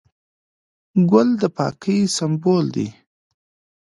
ګل د پاکۍ سمبول دی.